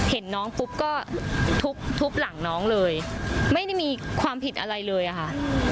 เห็นน้องปุ๊บก็ทุบหลังน้องเลยไม่ได้มีความผิดอะไรเลยอะค่ะ